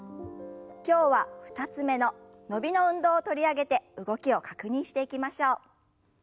今日は２つ目の伸びの運動を取り上げて動きを確認していきましょう。